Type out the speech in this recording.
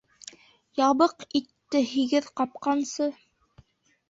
Ябыҡ итте һигеҙ ҡапҡансы